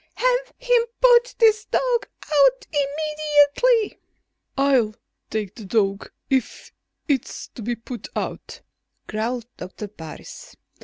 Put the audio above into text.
Have him put this dog out immediately!" "I'll take the dog, if it's to be put out," growled Doctor Parris.